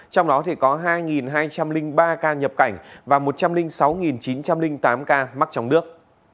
trong đó có hai hai trăm linh ba ca nhập cảnh và một trăm linh sáu chín trăm linh tám ca mắc trong nước